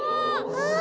ああ。